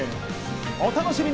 お楽しみに！